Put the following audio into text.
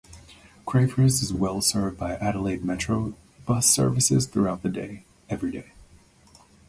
Crafers is well served by Adelaide Metro bus services throughout the day, every day.